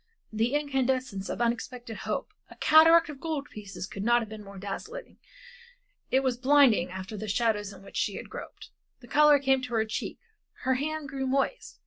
The incandescence of unexpected hope. A cataract of gold pieces could not have been more dazzling; it was blinding after the shadows in which she had groped. The color came to her cheeks, her hand grew moist.